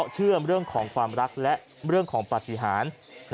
เชื่อมเรื่องของความรักและเรื่องของปฏิหาร